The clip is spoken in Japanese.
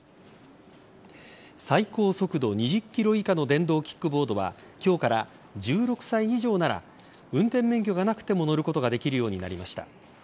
最高速度２０キロ以下の電動キックボードは今日から１６歳以上なら運転免許がなくても乗ることができるようになりました。